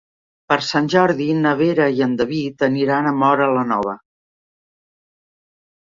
Per Sant Jordi na Vera i en David aniran a Móra la Nova.